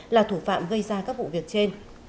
là thủ phạm gây ra các vụ việc trên